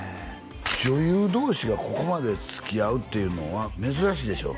女優同士がここまでつきあうっていうのは珍しいでしょ？